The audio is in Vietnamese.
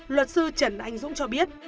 luật sư trần anh dũng cho biết